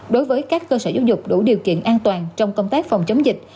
đối với các cơ sở giáo dục đủ điều kiện an toàn trong công tác phòng chống dịch